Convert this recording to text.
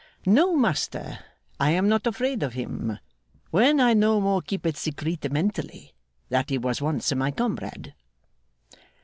'No, master, I am not afraid of him, when I no more keep it secrettementally that he was once my comrade.